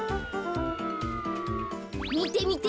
みてみて。